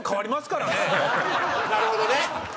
なるほどね。